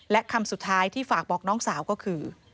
และคำสุดท้ายที่ฝากบอกน้องสาวก็คือ